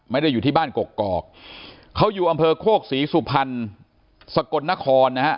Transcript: ไม่ได้อยู่ที่บ้านกรกเขาอยู่อำเภอโคกษีสุพรรณสะกดนครนะฮะ